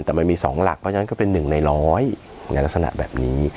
แต่มันมี๒หลักเพราะฉะนั้นก็เป็น๑ใน๑๐๐ในลักษณะแบบนี้